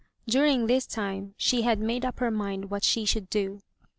During this time she had made up her mind what she should do.